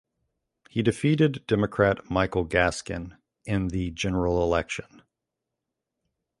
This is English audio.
He defeated Democrat Michael Gaskin in the general election.